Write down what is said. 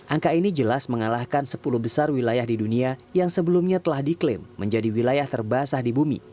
angka ini jelas mengalahkan sepuluh besar wilayah di dunia yang sebelumnya telah diklaim menjadi wilayah terbasah di bumi